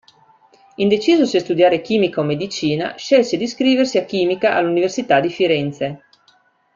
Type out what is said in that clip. Indeciso se studiare chimica o medicina, scelse di iscriversi a chimica all'Università di Firenze.